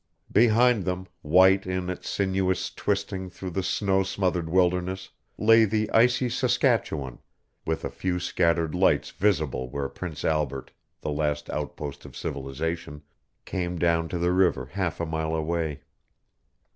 Behind him, white in its sinuous twisting through the snow smothered wilderness, lay the icy Saskatchewan, with a few scattered lights visible where Prince Albert, the last outpost of civilization, came down to the river half a mile away.